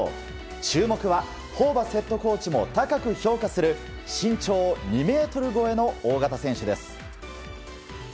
注目はホーバスヘッドコーチも高く評価する身長２ｍ超えの大型選手です。